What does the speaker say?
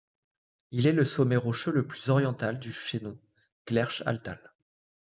Il est le sommet rocheux le plus oriental du chaînon Gleirsch-Halltal.